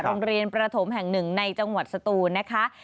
โรงเรียนประถมแห่งหนึ่งในจังหวัดสตูนนะคะ